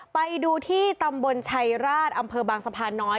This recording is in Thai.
ไปดูที่ตำบลชัยราชอำเภอบางสะพานน้อย